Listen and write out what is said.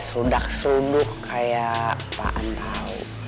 serudak seruduk kayak apaan tau